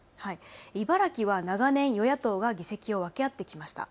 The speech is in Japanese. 茨城は長年、与野党が議席を分け合ってきました。